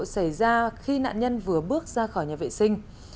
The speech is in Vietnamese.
xảy ra khi nạn nhân vừa bước ra khỏi nhà vệ sinh